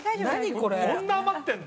こんな余ってんの？